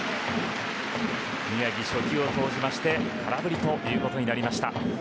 宮城、初球を投じまして空振りということになりました。